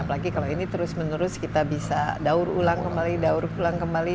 apalagi kalau ini terus menerus kita bisa daur ulang kembali daur ulang kembali